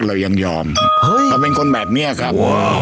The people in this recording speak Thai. เรายังยอมเราเป็นคนแบบนี้ครับ